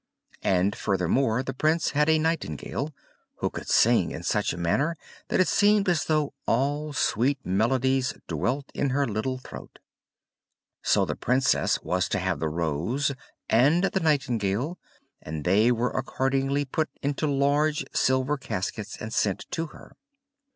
And furthermore, the Prince had a nightingale, who could sing in such a manner that it seemed as though all sweet melodies dwelt in her little throat. So the Princess was to have the rose, and the nightingale; and they were accordingly put into large silver caskets, and sent to her.